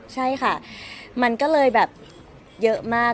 ใช่ค่ะมันก็เลยแบบเยอะมาก